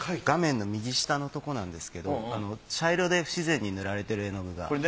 画面の右下のとこなんですけど茶色で不自然に塗られてる絵の具が。